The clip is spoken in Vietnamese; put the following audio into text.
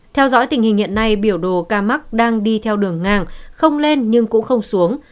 theo dõi tình hình hiện nay biểu đồ ca mắc đang đi theo đường ngang không lên nhưng cũng không xuống